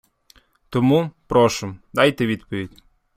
Тому, прошу, дайте відповідь!